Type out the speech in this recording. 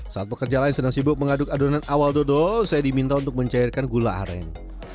saat pekerja lain sedang sibuk mengaduk adonan awal dodol saya diminta untuk mencairkan gula aren